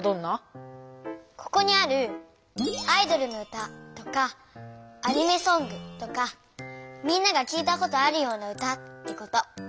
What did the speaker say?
ここにある「アイドルの歌」とか「アニメソング」とかみんなが聞いたことあるような歌ってこと。